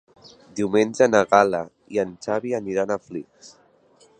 Diumenge na Gal·la i en Xavi iran a Flix.